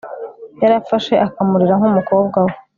yarafashe akamurera nk umukobwa we